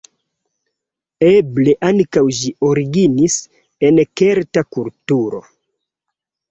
Eble ankaŭ ĝi originis en kelta kulturo.